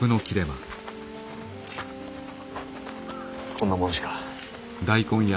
こんなもんしか。